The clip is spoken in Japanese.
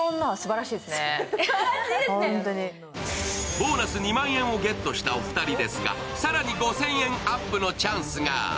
ボーナス２万円をゲットしたお二人ですが、更に５０００円アップのチャンスが。